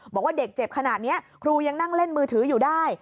บอกว่าเด็กเจ็บขนาดนี้ครูยังนั่งเล่นมือถืออยู่ได้